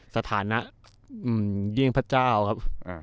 สถานะเยี่ยงพระเจ้าครับ